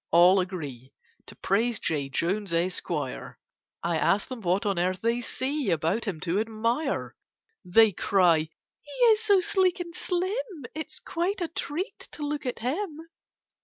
all agree To praise J. Jones, Esquire: I ask them what on earth they see About him to admire? They cry "He is so sleek and slim, It's quite a treat to look at him!"